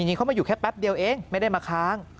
จริงเขามาอยู่แค่แป๊บเดียวเองไม่ได้มาค้าง